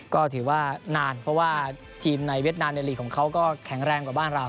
ก็ถือว่านานเพราะว่าทีมในเวียดนามในลีกของเขาก็แข็งแรงกว่าบ้านเรา